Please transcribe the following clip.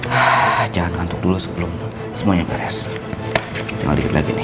hai jangan untuk dulu sebelum semuanya beres kita lihat lagi nih